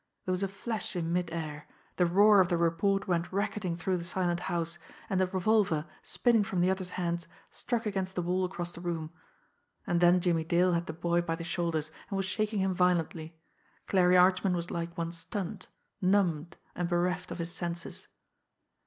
There was a flash in mid air, the roar of the report went racketing through the silent house, and the revolver, spinning from the other's hands, struck against the wall across the room. And then Jimmie Dale had the boy by the shoulders, and was shaking him violently. Clarie Archman was like one stunned, numbed, and bereft of his senses.